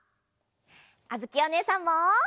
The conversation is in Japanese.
あづきおねえさんも！